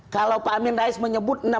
kalau pak amin rais menyebut